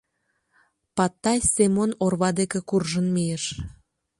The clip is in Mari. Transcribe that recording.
— Патай Семон орва деке куржын мийыш.